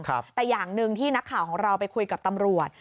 แต่อย่างหนึ่งที่นักข่าวของเราไปคุยกับตำรวจ